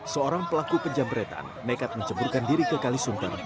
seorang pelaku pejam beretan nekat menceburkan diri ke kalisuntar